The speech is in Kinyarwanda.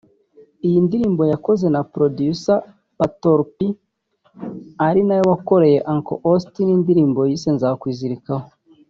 Iyi ndirimbo yakoze na Producer Pator P ari na we wakoreye Uncle Austin indirimbo yise Nzakwizirikaho